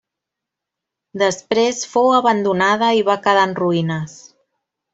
Després fou abandonada i va quedar en ruïnes.